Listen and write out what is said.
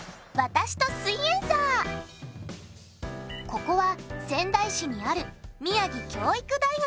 ここは仙台市にある宮城教育大学。